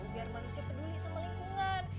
biar manusia peduli sama lingkungan